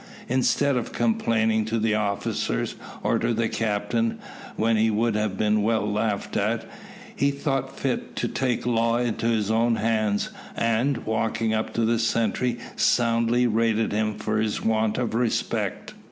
Instead of complaining to the officers or to the captain, when he would have been well laughed at, he thought fit to take the law into his own hands, and, walking up to the sentry, soundly rated him for his want of respect.